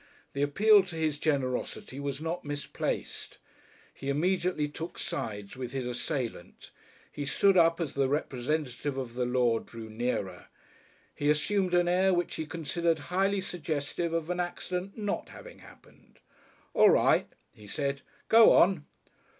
The appeal to his generosity was not misplaced. He immediately took sides with his assailant. He stood up as the representative of the law drew nearer. He assumed an air which he considered highly suggestive of an accident not having happened. "All right," he said, "go on!"